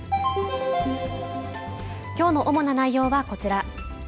きょうの主な内容はこちら。